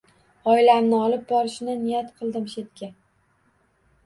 Oilamni olib borishni niyat qildim shetga.